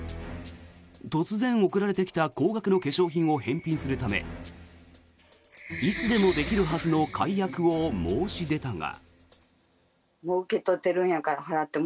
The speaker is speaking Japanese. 突然送られてきた高額の化粧品を返品するためいつでもできるはずの解約を申し出たが。